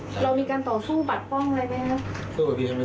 เรามีการต่อสู้บัดป้องอะไรไหมครับ